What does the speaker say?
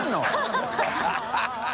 ハハハ